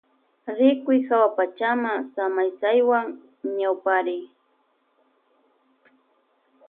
Rikuy hawapachama samaysaywan ñawpariy.